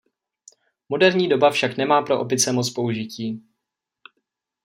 Moderní doba však nemá pro opice moc použití.